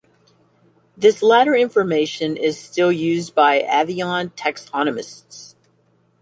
This latter information is still used by avian taxonomists.